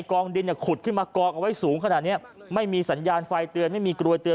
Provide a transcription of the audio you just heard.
กองดินเนี่ยขุดขึ้นมากองเอาไว้สูงขนาดเนี้ยไม่มีสัญญาณไฟเตือนไม่มีกลวยเตีย